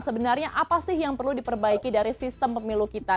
sebenarnya apa sih yang perlu diperbaiki dari sistem pemilu kita